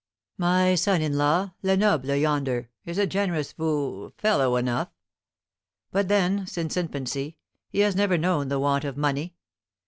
My son in law, Lenoble yonder, is a generous foo fellow enough; but then, since infancy, he has never known the want of money.